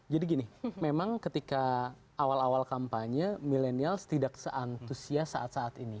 jadi gini memang ketika awal awal kampanye millennials tidak se antusias saat saat ini